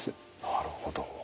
なるほど。